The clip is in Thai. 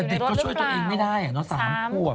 เด็กก็ช่วยตัวเองไม่ได้๓ขวบ